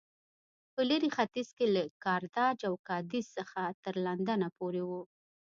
په لېرې ختیځ کې له کارتاج او کادېس څخه تر لندنه پورې و